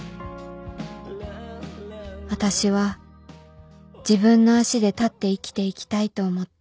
私は自分の足で立って生きていきたいと思った